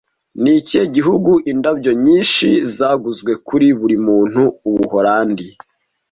Ni ikihe gihugu indabyo nyinshi zaguzwe kuri buri muntu Ubuholandi